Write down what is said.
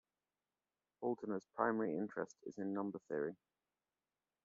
Holdener's primary interest is in number theory.